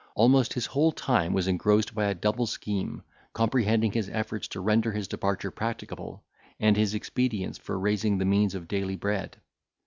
Almost his whole time was engrossed by a double scheme, comprehending his efforts to render his departure practicable, and his expedients for raising the means of daily bread.